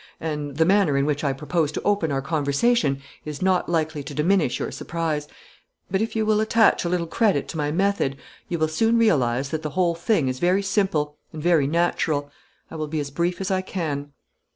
And the manner in which I propose to open our conversation is not likely to diminish your surprise. But if you will attach a little credit to my method, you will soon realize that the whole thing is very simple and very natural. I will be as brief as I can."